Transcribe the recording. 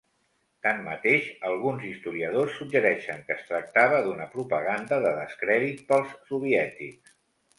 Tanmateix, alguns historiadors suggereixen que es tractava d'una propaganda de descrèdit pels soviètics.